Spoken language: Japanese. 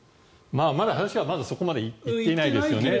まだ話はそこまで行っていないですよね。